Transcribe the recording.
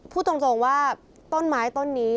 พูดตรงว่าต้นไม้ต้นนี้